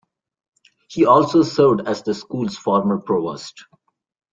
He also served as the school's former provost.